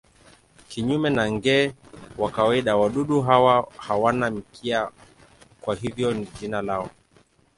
Kinyume na nge wa kawaida wadudu hawa hawana mkia, kwa hivyo jina lao.